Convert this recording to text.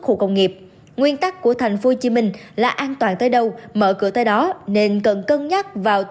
khu công nghiệp nguyên tắc của tp hcm là an toàn tới đâu mở cửa tới đó nên cần cân nhắc vào